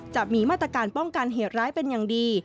จะมีมาตรการป้องกันเหตุร้ายเป็นอย่างดี